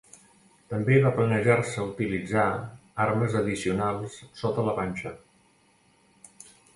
També va planejar-se utilitzar armes addicionals sota la panxa.